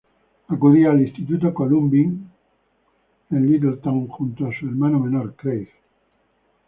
Acudía al Instituto Columbine en Littleton junto a su hermano menor, Craig.